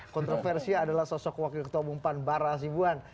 kontroversi adalah sosok wakil ketua bumpan barra azibuan